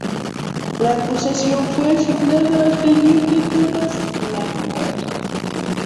La acusación fue asignada al teniente Thomas F. Lambert Jr.